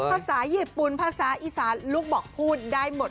ภาษาญี่ปุ่นภาษาอีสานลูกบอกพูดได้หมด